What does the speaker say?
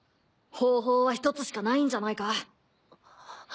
方法は１つしかないんじゃないか？